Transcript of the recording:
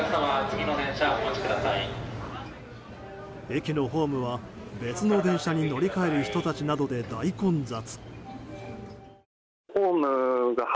駅のホームは別の電車に乗り換える人たちなどで大混雑。